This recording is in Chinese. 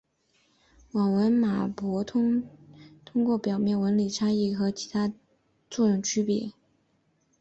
网纹马勃通常透过表面纹理的差异可和其他类似的马勃菌作区别。